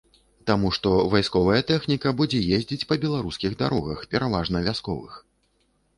Таму што вайсковая тэхніка будзе ездзіць па беларускіх дарогах, пераважна вясковых.